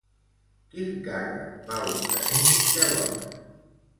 Quin càrrec va obtenir llavors?